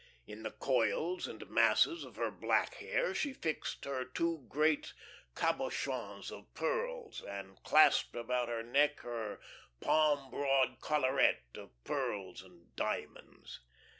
In the coils and masses of her black hair she fixed her two great cabochons of pearls, and clasped about her neck her palm broad collaret of pearls and diamonds.